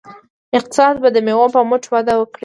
اقتصاد به د میوو په مټ وده وکړي.